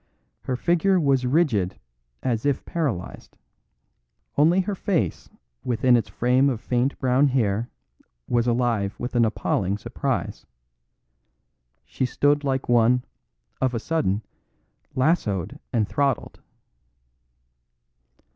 Her figure was rigid as if paralysed; only her face within its frame of faint brown hair was alive with an appalling surprise. She stood like one of a sudden lassooed and throttled.